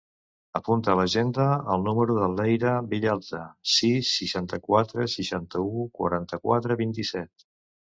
Apunta a l'agenda el número de l'Eira Villalta: sis, seixanta-quatre, seixanta-u, quaranta-quatre, vint-i-set.